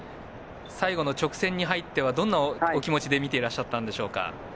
最後の直線に入ってはどんなお気持ちで見ていらっしゃったんでしょうか。